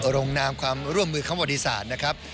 โรงนามความร่วมมือของบริษัทนะครับ